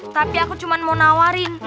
tapi aku cuma mau nawarin